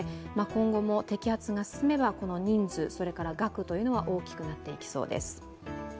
今後も摘発が進めば、この人数、額というのは大きくなっていきそうです。